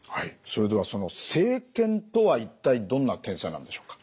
それではその生検とは一体どんな検査なんでしょうか？